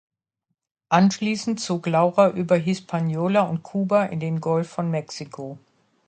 Anschließend zog Laura über Hispaniola und Kuba in den Golf von Mexiko.